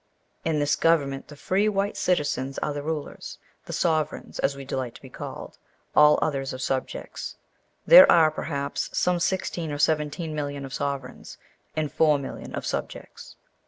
In this government, the free white citizens are the rulers the sovereigns, as we delight to be called. All others are subjects. There are, perhaps, some sixteen or seventeen millions of sovereigns, and four millions of subjects.